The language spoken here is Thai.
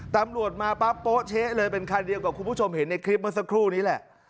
ตำรวจมาปั๊บโป๊ะเช๊ะเลยเป็นคันเดียวกับคุณผู้ชมเห็นในคลิปเมื่อสักครู่นี้แหละ